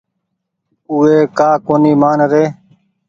اُو وي ڪآ ڪونيٚ مآن ري۔